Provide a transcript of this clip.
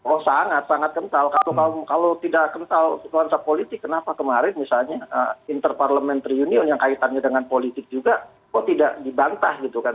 oh sangat sangat kental kalau tidak kental nuansa politik kenapa kemarin misalnya interparliamentary union yang kaitannya dengan politik juga kok tidak dibantah gitu kan